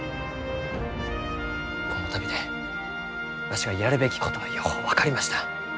この旅でわしがやるべきことはよう分かりました。